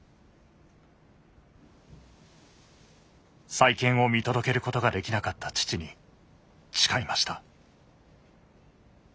再建を見届けることができなかった父に誓いました。